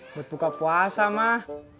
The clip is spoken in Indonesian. buat buka puasa mah